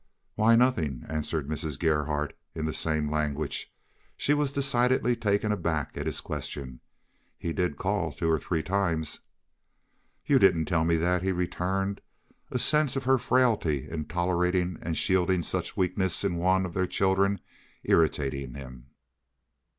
"Why, nothing," answered Mrs. Gerhardt, in the same language. She was decidedly taken aback at his question. "He did call two or three times." "You didn't tell me that," he returned, a sense of her frailty in tolerating and shielding such weakness in one of their children irritating him.